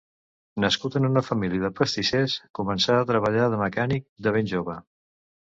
Nascut en una família de pastissers, començà a treballar de mecànic de ben jove.